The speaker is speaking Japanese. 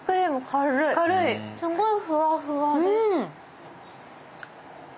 すごいふわふわです。